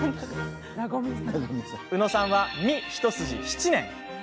宇野さんは「み」一筋、７年。